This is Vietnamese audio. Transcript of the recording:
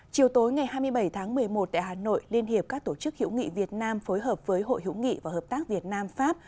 chiều tối ngày hai mươi bảy tháng một mươi một tại hà nội liên hiệp các tổ chức hữu nghị việt nam phối hợp với hội hữu nghị và hợp tác việt nam pháp